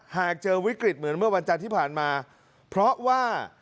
หากเจอวิกฤตเหมือนเมื่อวันจันทร์ที่ผ่านมาเพราะว่า